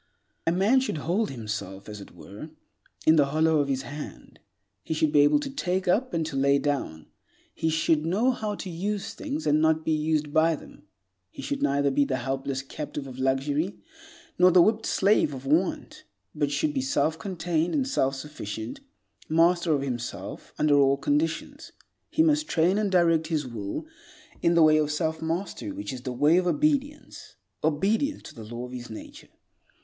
A man should hold himself, as it were, in the hollow of his hand. He should be able to take up and to lay down. He should know how to use things, and not be used by them. He should neither be the helpless captive of luxury nor the whipped slave of want, but should be self contained and self sufficient, master of himself under all conditions. He must train and direct his will in the way of self mastery which is the way of obedience—obedience to the law of his nature.